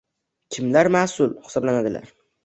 kimlar mas’ul hisoblanadilar?